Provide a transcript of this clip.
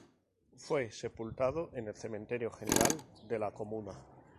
Fue sepultado en el Cementerio General de la comuna.